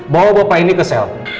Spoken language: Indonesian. bawa bapak ini ke sel